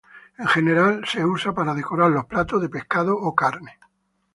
En general, es usado para decorar los platos de pescado o carne.